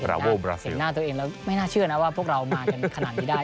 สีหน้าตัวเองแล้วไม่น่าเชื่อนะว่าพวกเรามากันขนาดนี้ได้